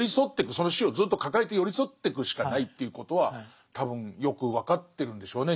その死をずっと抱えて寄り添ってくしかないということは多分よく分かってるんでしょうね